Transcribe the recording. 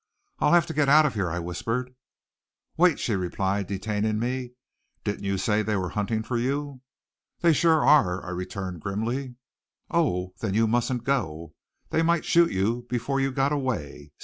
"I'll have to get out of here," I whispered. "Wait," she replied, detaining me. "Didn't you say they were hunting for you?" "They sure are," I returned grimly. "Oh! Then you mustn't go. They might shoot you before you got away.